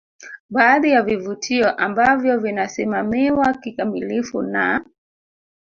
Baadhi ya vivutio ambavyo vinasimamiwa kikamilifu na